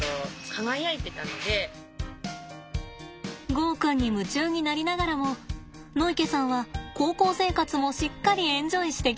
ゴーくんに夢中になりながらも野池さんは高校生活もしっかりエンジョイしてきました。